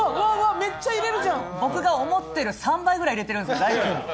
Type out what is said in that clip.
めっちゃ入れるじゃん僕が思ってる３倍ぐらい入れてるんですけど大丈夫？